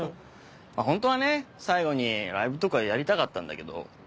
ホントはね最後にライブとかやりたかったんだけど